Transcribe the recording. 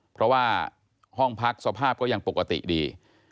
เพราะว่าห้องพักสภาพก็ยังปกติดี